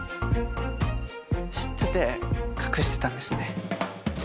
知ってて隠してたんですね。